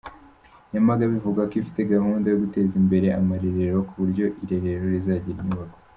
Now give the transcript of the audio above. Nyamagabe ivuga ko ifite gahunda yo guteza imbere amarerero kuburyo irerero rizagira inyubako.